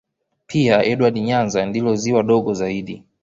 Pia Edward Nyanza ndilo ziwa dogo zaidi